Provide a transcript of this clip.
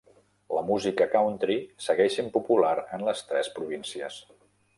La música country segueix sent popular en les tres províncies.